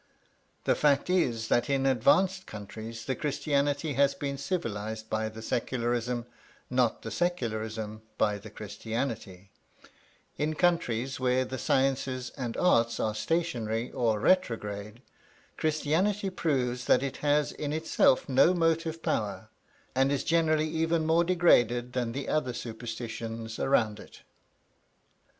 The fact is that in advanced countries the Christianity has been civilised by the Secularism, not the Secularism by the Christianity; in countries where the sciences and arts are stationary or retrograde, Christianity proves that it has in itself no motive power, and is generally even more degraded than the other superstitions around it.